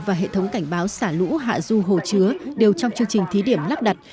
và hệ thống cảnh báo xả lũ hạ du hồ chứa đều trong chương trình thí điểm lắp đặt